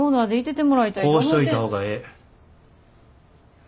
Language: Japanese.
こうしといた方がええ。